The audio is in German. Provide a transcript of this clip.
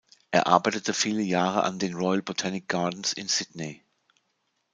Er arbeitete viele Jahre an den Royal Botanic Gardens in Sydney.